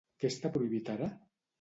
Què està prohibit ara?